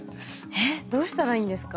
えっどうしたらいいんですか？